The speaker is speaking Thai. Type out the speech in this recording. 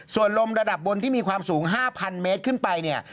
ส่วนลมระดับบนที่มีความสูง๕๐๐เมตรขึ้นไปเนี่ย